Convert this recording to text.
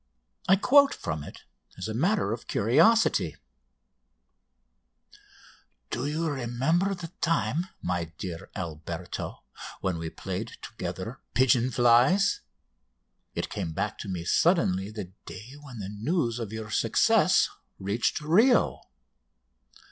I quote from it as a matter of curiosity: "... Do you remember the time, my dear Alberto, when we played together 'Pigeon flies!'? It came back to me suddenly the day when the news of your success reached Rio.